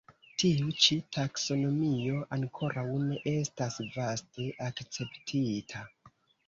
Tiu ĉi taksonomio ankoraŭ ne estas vaste akceptita.